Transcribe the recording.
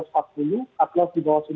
katlos di bawah seribu lima ratus tujuh puluh